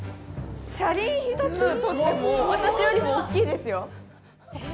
車輪１つとっても私よりも大きいですよ。